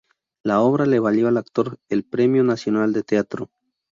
La obra le valió al actor el Premio Nacional de Teatro.